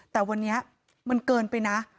แต่วันนี้มันเกินไปนะ